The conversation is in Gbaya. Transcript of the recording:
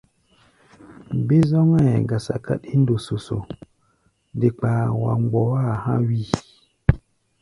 Be-zɔ́ŋáʼɛ gasa káɗí ndɔsɔsɔ, de kpaa wa mgbɔá a̧ há̧ wíi.